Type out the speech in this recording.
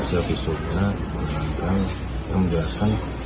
yang kita jelaskan